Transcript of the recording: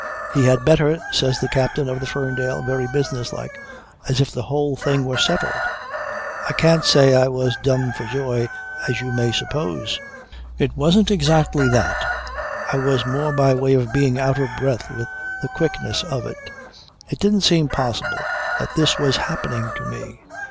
"He had better," says the Captain of the Ferndale very businesslike, as if the whole thing were settled. I can't say I was dumb for joy as you may suppose. It wasn't exactly that. I was more by way of being out of breath with the quickness of it. It didn't seem possible that this was happening to me.